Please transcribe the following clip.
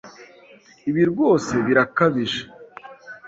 Ibi rwose birakabije.